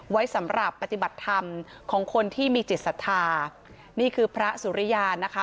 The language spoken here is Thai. ไว้สำหรับปฏิบัติธรรมของคนที่มีจิตศรัทธานี่คือพระสุริยานะคะ